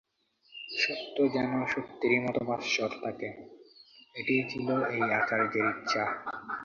সত্য যেন সত্যেরই মত ভাস্বর থাকে, এটিই ছিল এই আচার্যের ইচ্ছা।